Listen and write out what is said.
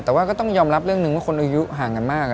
แต่ว่าก็ต้องยอมรับเรื่องหนึ่งว่าคนอายุห่างกันมาก